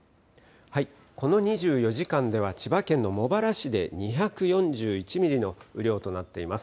この２４時間では千葉県の茂原市で２４１ミリの雨量となっています。